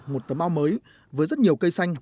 một tấm ao mới với rất nhiều cây xanh